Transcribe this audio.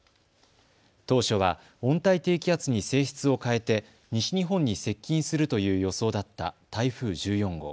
当初は温帯低気圧に性質を変えて西日本に接近するという予想だった台風１４号。